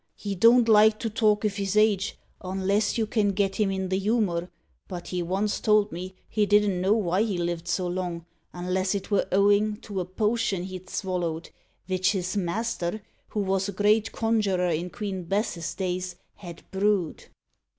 "He don't like to talk of his age unless you can get him i' the humour; but he once told me he didn't know why he lived so long, unless it were owin' to a potion he'd swallowed, vich his master, who was a great conjurer in Queen Bess's days, had brew'd."